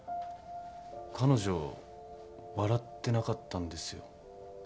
彼女笑ってなかったんですよ。